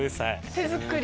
手作り？